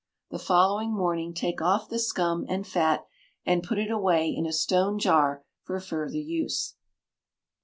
The following morning take off the scum and fat, and put it away in a stone jar for further use.